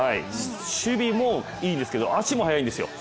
守備もいいですけど足も速いんですよ。